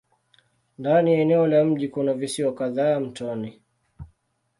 Ndani ya eneo la mji kuna visiwa kadhaa mtoni.